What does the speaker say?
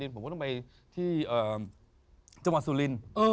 ผมก็ต้องไปที่จังหวัดสุรินทร์